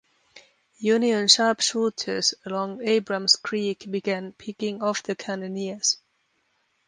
Union sharpshooters along Abrams Creek began picking off the cannoneers.